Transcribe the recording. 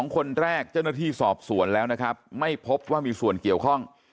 คนแรกเจ้าหน้าที่สอบสวนแล้วนะครับไม่พบว่ามีส่วนเกี่ยวข้อง